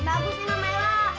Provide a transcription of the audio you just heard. abu sunam ella